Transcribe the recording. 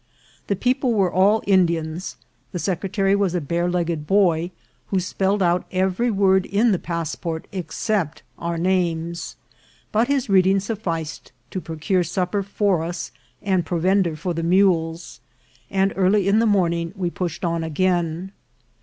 The people were all Indians ; the secretary was a bare legged boy, who spelled out every word in the passport except our names; but his reading sufficed to procure supper for us and provender for the mules, and early in the morning we pushed on again.